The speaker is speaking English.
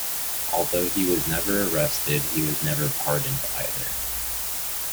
Although he was never arrested, he was never pardoned either.